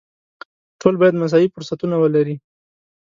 ټول باید مساوي فرصتونه ولري.